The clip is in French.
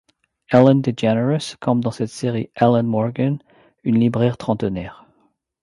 Ellen DeGeneres campe dans cette série Ellen Morgan, une libraire trentenaire.